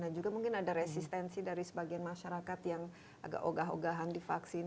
dan juga mungkin ada resistensi dari sebagian masyarakat yang agak ogah ogahan divaksin